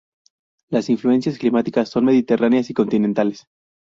Las influencias climáticas son mediterráneas y continentales.